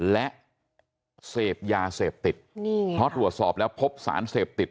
และเสพยาเสพติด